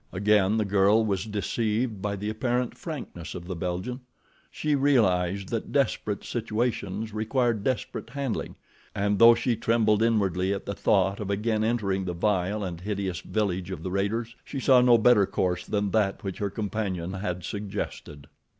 Again the girl was deceived by the apparent frankness of the Belgian. She realized that desperate situations required desperate handling, and though she trembled inwardly at the thought of again entering the vile and hideous village of the raiders she saw no better course than that which her companion had suggested.